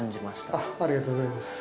ありがとうございます。